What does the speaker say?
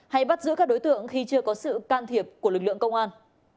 hay bắt giữ các đối tượng khi chưa có sự can thiệp của lực lượng công an